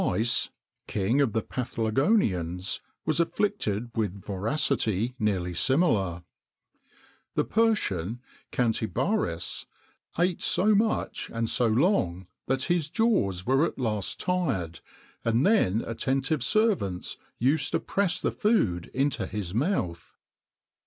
[XXIX 10] Thys, King of the Paphlagonians, was afflicted with voracity nearly similar.[XXIX 11] The Persian Cantibaris, eat so much and so long that his jaws were at last tired, and then attentive servants used to press the food into his mouth.